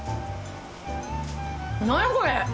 何やこれ。